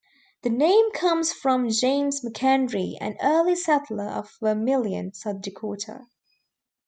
The name comes from James McHenry, an early settler of Vermillion, South Dakota.